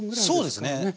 そうですね。